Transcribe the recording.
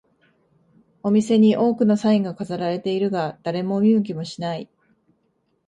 お店に多くのサインが飾られているが、誰も見向きもしない